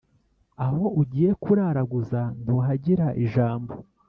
Aho ugiye kuraraguza, ntuhagira ijambo.